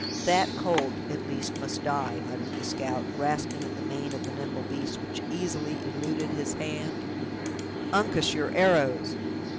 "That colt, at least, must die," muttered the scout, grasping at the mane of the nimble beast, which easily eluded his hand; "Uncas, your arrows!"